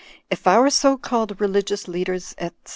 If our so called religious leaders," etc.